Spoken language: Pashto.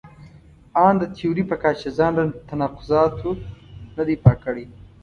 ان د تیوري په کچه ځان له تناقضاتو نه دی پاک کړی.